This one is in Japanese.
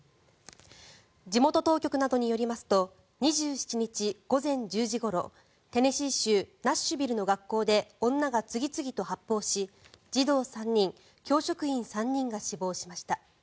地元当局などによりますと２７日午前１０時ごろテネシー州ナッシュビルの学校で女が次々と発砲し児童３人、教職員３人が死亡しました。